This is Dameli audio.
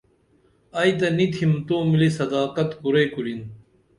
ائی تہ نی تِھم تو ملی صداقت کُرئی کُرِن